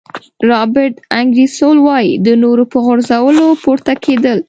رابرټ انګیرسول وایي د نورو په غورځولو پورته کېدل.